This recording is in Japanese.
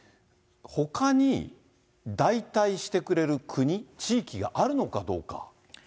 ほかに代替してくれる国、地域があるのかどうか。